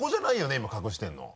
今隠してるの。